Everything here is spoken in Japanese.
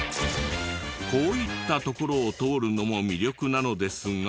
こういった所を通るのも魅力なのですが。